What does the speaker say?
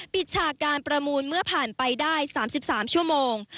ฉากการประมูลเมื่อผ่านไปได้๓๓ชั่วโมง